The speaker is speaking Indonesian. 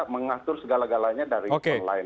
mengatur segala galanya dari orang lain